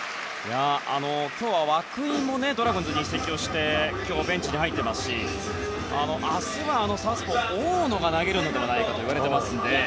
今日は涌井もドラゴンズに移籍をして今日はベンチに入っていますし明日はサウスポーの大野が投げるのではないかといわれていますね。